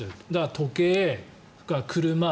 時計、車